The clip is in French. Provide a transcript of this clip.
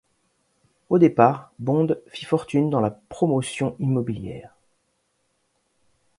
Au départ, Bond fit fortune dans la promotion immobilière.